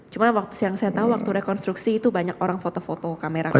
cuman waktu yang saya tau waktu rekonstruksi itu banyak orang foto foto kamera